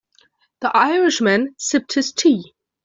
The Irish man sipped his tea.